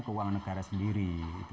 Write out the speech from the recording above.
keuangan negara sendiri